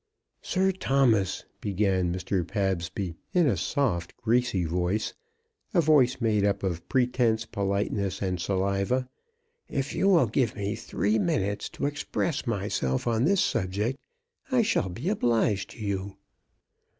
"Sir Thomas," began Mr. Pabsby, in a soft, greasy voice, a voice made up of pretence, politeness and saliva, "if you will give me three minutes to express myself on this subject I shall be obliged to you."